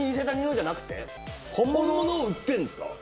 本物を売ってるんですか？